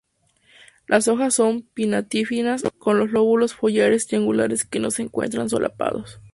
Las hojas son pinnatífidas, con lóbulos foliares triangulares que no se encuentran solapados.